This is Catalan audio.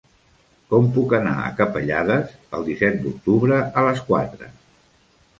Com puc anar a Capellades el disset d'octubre a les quatre?